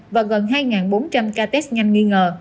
và gần hai bốn trăm linh ca test nhanh nghi ngờ